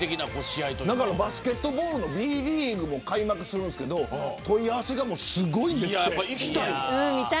バスケットボールのＢリーグも開幕するんですが問い合わせがすごいんですって。